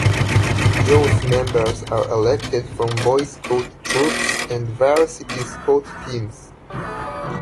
Youth members are elected from Boy Scout troops and Varsity Scout teams.